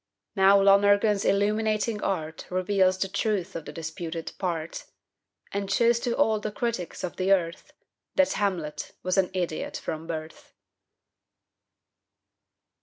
Now, Lonergan's illuminating art Reveals the truth of the disputed "part," And shows to all the critics of the earth That Hamlet was an idiot from birth!